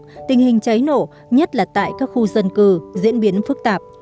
lực lượng chữa cháy đã được phục vụ nhất là tại các khu dân cư diễn biến phức tạp